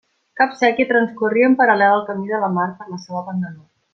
Cap séquia transcorria en paral·lel al camí de la Mar per la seua banda nord.